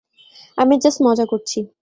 আমি জাস্ট মজা করছি।